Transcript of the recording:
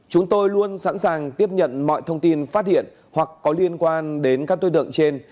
chúng tôi luôn sẵn sàng tiếp nhận mọi thông tin phát hiện hoặc có liên quan đến các đối tượng trên